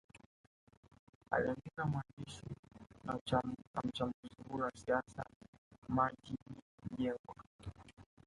Aliandika mwandishi na mchambuzi huyo wa siasa Maggid Mjengwa